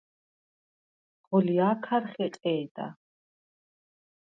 ღოლჲა̄ქარ ხეყე̄და.